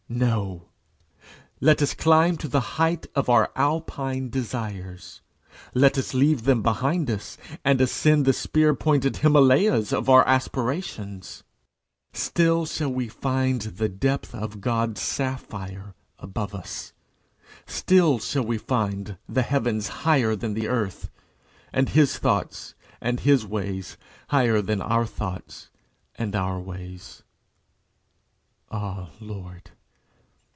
No. Let us climb to the height of our Alpine desires; let us leave them behind us and ascend the spear pointed Himmalays of our aspirations; still shall we find the depth of God's sapphire above us; still shall we find the heavens higher than the earth, and his thoughts and his ways higher than our thoughts and our ways. Ah Lord!